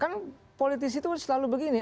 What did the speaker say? kan politisi itu selalu begini